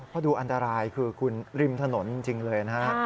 เพราะดูอันตรายคือคุณริมถนนจริงเลยนะฮะ